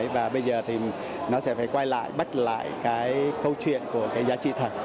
và bây giờ thì nó sẽ phải quay lại bắt lại cái câu chuyện của cái giá trị thật